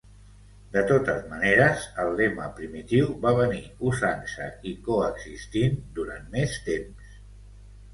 De totes maneres, el lema primitiu va venir usant-se i coexistint durant més temps.